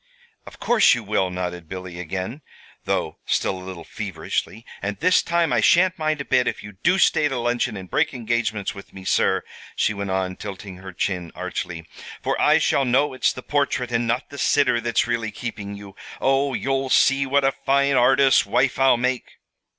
"Of course you will," nodded Billy, again, though still a little feverishly. "And this time I sha'n't mind a bit if you do stay to luncheon, and break engagements with me, sir," she went on, tilting her chin archly, "for I shall know it's the portrait and not the sitter that's really keeping you. Oh, you'll see what a fine artist's wife I'll make!"